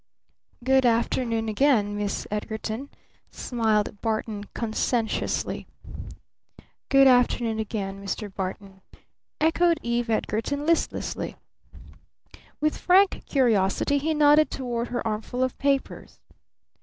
"Good afternoon again, Miss Edgarton," smiled Barton conscientiously. "Good afternoon again, Mr. Barton," echoed Eve Edgarton listlessly. With frank curiosity he nodded toward her armful of papers.